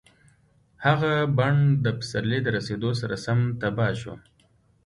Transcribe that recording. هغه بڼ د پسرلي د رسېدو سره سم تباه شو.